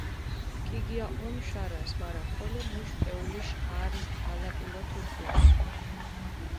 ქიგიაჸუნჷ შარას, მარა ხოლო მუშ პეულიშ არზი ალაკილოთუდჷ გურს.